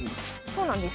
そうなんです。